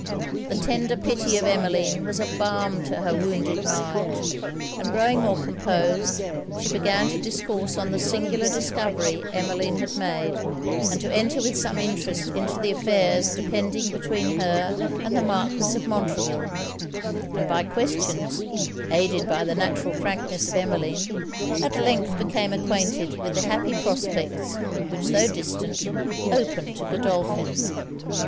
The tender pity of Emmeline was a balm to her wounded mind; and growing more composed, she began to discourse on the singular discovery Emmeline had made, and to enter with some interest into the affairs depending between her and the Marquis of Montreville; and by questions, aided by the natural frankness of Emmeline, at length became acquainted with the happy prospects, which, tho' distant, opened to Godolphin.